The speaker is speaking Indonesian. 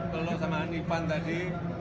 kalo sama hanifan tadi